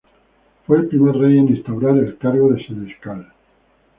Fue el primer rey en instaurar el cargo de Senescal.